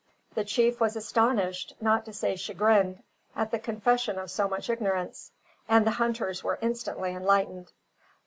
The chief was astonished, not to say chagrined, at the confession of so much ignorance, and the hunters were instantly enlightened.